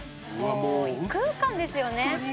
「もう異空間ですよね。